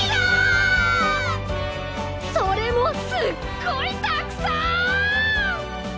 それもすっごいたくさん！